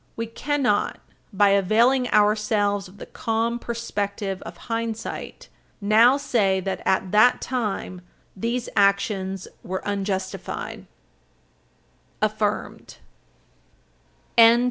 We cannot by availing ourselves of the calm perspective of hindsight now say that, at that time, these actions were unjustified.